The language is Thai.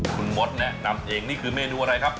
คุณมดแนะนำเองนี่คือเมนูอะไรครับ